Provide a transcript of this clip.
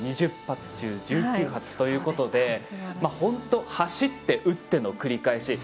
２０発中１９発ということで本当、走って撃っての繰り返し。